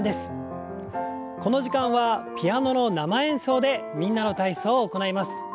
この時間はピアノの生演奏で「みんなの体操」を行います。